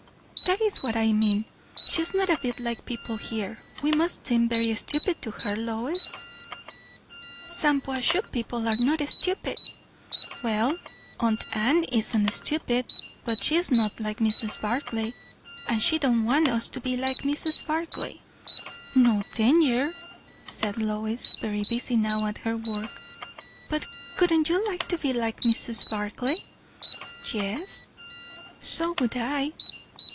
"That is what I mean. She is not a bit like people here. We must seem very stupid to her, Lois." "Shampuashuh people are not stupid." "Well, aunt Anne isn't stupid; but she is not like Mrs. Barclay. And she don't want us to be like Mrs. Barclay." "No danger!" said Lois, very busy now at her work. "But wouldn't you like to be like Mrs. Barclay?" "Yes." "So would I."